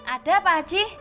ada pak haji